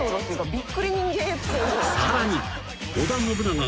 ［さらに］